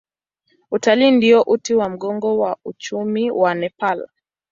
Utalii ndio uti wa mgongo wa uchumi wa Nepal.